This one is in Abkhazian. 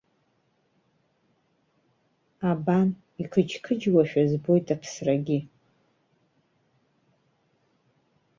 Абан, иқыџьқыџьуашәа збоит аԥсрагьы!